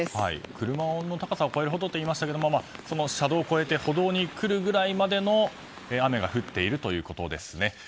車の高さを越えるほどといいましたが車道を越えて歩道に来るぐらいまでの雨が降っているということですね。